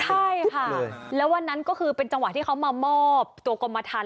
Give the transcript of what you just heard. ใช่ค่ะแล้ววันนั้นก็คือเป็นจังหวะที่เขามามอบตัวกรมทัน